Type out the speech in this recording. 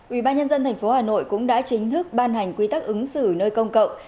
ubnd thành phố hà nội cũng đã chính thức ban hành quy tắc ứng xử nơi công cộng